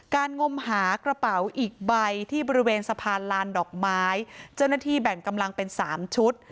งมหากระเป๋าอีกใบที่บริเวณสะพานลานดอกไม้เจ้าหน้าที่แบ่งกำลังเป็นสามชุด